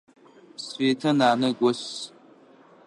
Светэ нанэ гос.